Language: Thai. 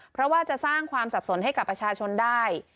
เพราะว่าจะสร้างความสับสนให้กับประชาชนได้